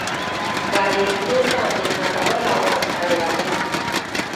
بریالیتوب ته اندیښنه کول او مسخرې وهل.